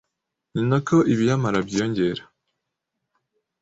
ni nako ibiyamara byiyongera.